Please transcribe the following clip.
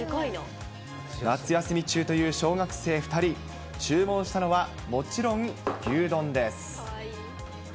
夏休み中という小学生２人、注文したのは、もちろん牛丼です。